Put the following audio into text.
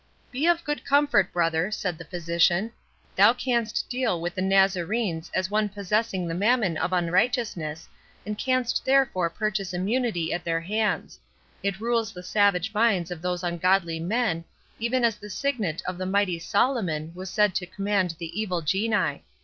"Be of good comfort, brother," said the physician; "thou canst deal with the Nazarenes as one possessing the mammon of unrighteousness, and canst therefore purchase immunity at their hands—it rules the savage minds of those ungodly men, even as the signet of the mighty Solomon was said to command the evil genii.